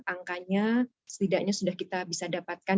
angkanya setidaknya sudah kita bisa dapatkan